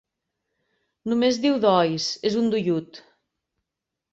Només diu dois: és un doiut.